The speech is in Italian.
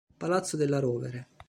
Palazzo Della Rovere